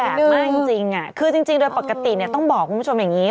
มากจริงคือจริงโดยปกติเนี่ยต้องบอกคุณผู้ชมอย่างนี้